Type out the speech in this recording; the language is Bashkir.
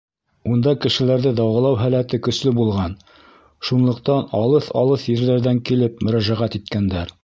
Унда кешеләрҙе дауалау һәләте көслө булған, шунлыҡтан алыҫ-алыҫ ерҙәрҙән килеп мөрәжәғәт иткәндәр.